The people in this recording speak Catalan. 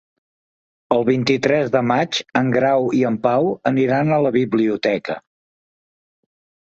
El vint-i-tres de maig en Grau i en Pau aniran a la biblioteca.